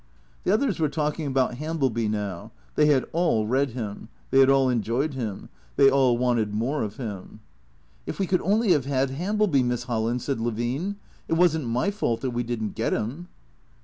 The others were talking about Hambleby now. They had all read him. They had all enjoyed him. They all wanted more of him. 170 THE CREATORS " If we could only have had Hambleby, Miss Holland," said Levine. " It was n't my fault that we did n't get him."